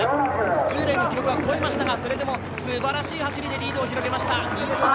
従来の記録は超えましたがすばらしい走りでリードを広げました、新妻遼